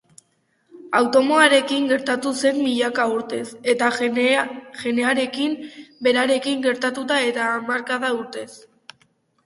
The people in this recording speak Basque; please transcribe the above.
Atomoarekin gertatu zen milaka urtez, eta genearekin berarekin gertatu da hamarka urtez.